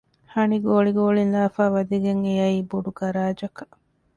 ހަނި ގޯޅި ގޯޅިން ލާފައި ވަދެގެން އެއައީ ބޮޑު ގަރާޖަކަށް